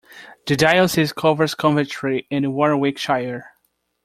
The diocese covers Coventry and Warwickshire.